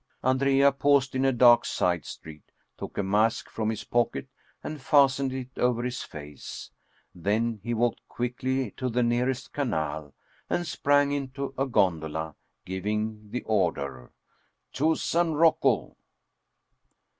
Andrea paused in a dark side street, took a mask from his pocket and fastened it over his face. Then he walked quickly to the nearest canal, and sprang into a gon dola, giving the order :" To San Rocco."